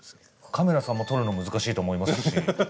カメラさんも撮るの難しいと思いますし。